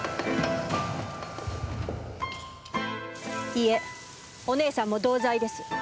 いいえお義姉さんも同罪です。